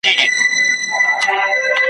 نه هنر وي چا ته پاته د لوستلو ,